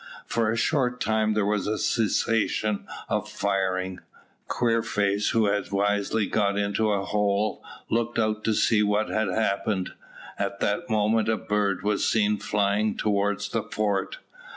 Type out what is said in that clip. For a short time there was a cessation of firing. Queerface, who had wisely got into a hole, looked out to see what had happened. At that moment a bird was seen flying towards the fort.